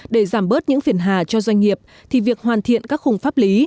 để giảm bớt những phiền hà cho doanh nghiệp thì việc hoàn thiện các khung pháp lý